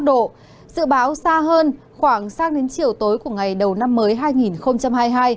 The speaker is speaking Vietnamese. dự báo xa hơn khoảng sang đến chiều tối của ngày đầu năm mới hai nghìn hai mươi hai